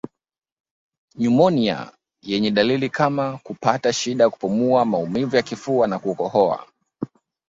Nyumonia yenye dalili kama kupata shida kupumua maumivu ya kifua na kukohoa